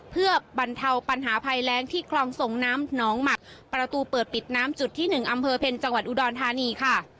เพื่อบรรเทาปัญหาภัยแรงที่คลองส่งน้ำน้องหมักประตูเปิดปิดน้ำจุดที่๑อำเภอเพ็ญจังหวัดอุดรธานีค่ะ